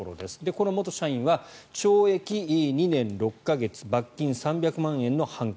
この元社員は懲役２年６か月罰金３００万円の判決。